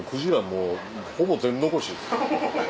もうほぼ全残しです。